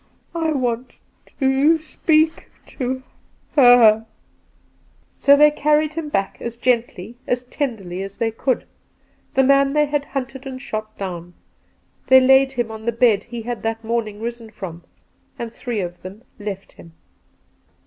I want — to — speak — to — her !' So they carried him back as gently, as tenderly as they could — the man they had hunted and shot down ; they laid him on the bed he had that morning risen from,, and three of them left him.